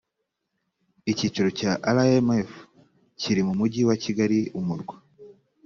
icyicaro cya rmf kiri mu mujyi wa kigali umurwa